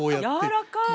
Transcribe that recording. やわらかい。